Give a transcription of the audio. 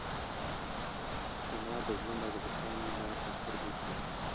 ثنا د ژوند او د بقا مې لا په سترګو کې ده.